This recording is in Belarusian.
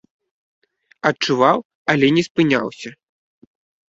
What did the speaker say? Адчуваў, але не спыняўся.